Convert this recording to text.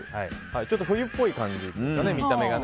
ちょっと冬っぽい感じというか見た目がね。